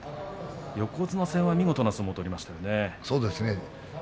横綱戦は見事な相撲を取りましたね。